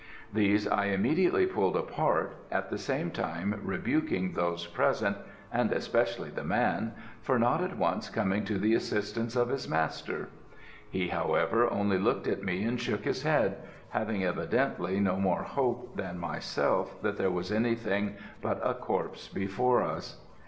These I immediately pulled apart, at the same time rebuking those present, and especially the man, for not at once coming to the assistance of his master. He, however, only looked at me and shook his head, having evidently no more hope than myself that there was anything but a corpse before us.